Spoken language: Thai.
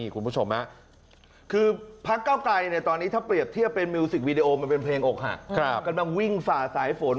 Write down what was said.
คุณผู้ชมคือพักเก้าไกรตอนนี้ถ้าเปรียบเทียบเป็นมิวสิกวีดีโอมันเป็นเพลงอกหักกำลังวิ่งฝ่าสายฝน